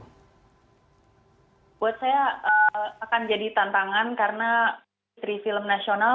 buat saya akan jadi tantangan karena industri film nasional